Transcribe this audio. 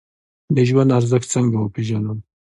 د ژوند ارزښت څنګه وپیژنو؟